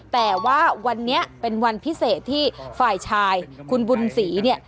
แต่ว่าวันนี้เป็นวันพิเศษที่ฝ่ายชายคุณบุญศรีเนี่ย